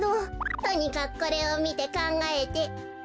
とにかくこれをみてかんがえて。